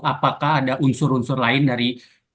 apakah ada unsur unsur lain dari